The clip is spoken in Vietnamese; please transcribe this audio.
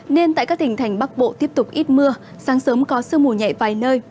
nên tại các tỉnh thành bắc bộ tiếp tục ít mưa sáng sớm có sương mù nhẹ vài nơi